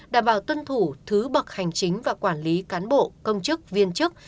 đảm bảo tuân thủ thứ bậc hành chính và quản lý cán bộ công chức viên chức